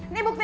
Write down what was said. ini bukti apa